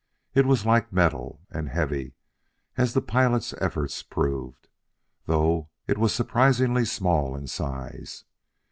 It was like metal, and heavy, as the pilot's efforts proved, though it was surprisingly small in size.